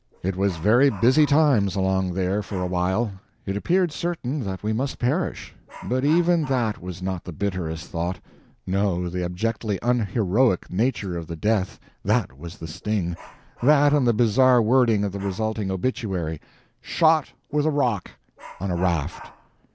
It was very busy times along there for a while. It appeared certain that we must perish, but even that was not the bitterest thought; no, the abjectly unheroic nature of the death that was the sting that and the bizarre wording of the resulting obituary: "SHOT WITH A ROCK, ON A RAFT."